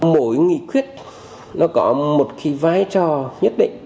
mỗi nghị quyết nó có một cái vai trò nhất định